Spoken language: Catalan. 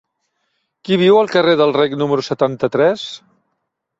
Qui viu al carrer del Rec número setanta-tres?